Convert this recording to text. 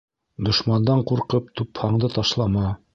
Дошмандан ҡурҡып, тупһаңды ташлама.